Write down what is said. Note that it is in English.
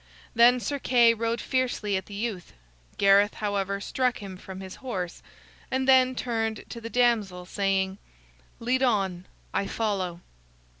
Then Sir Kay rode fiercely at the youth. Gareth, however, struck him from his horse, and then turned to the damsel, saying: "Lead on; I follow."